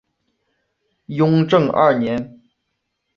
雍正二年。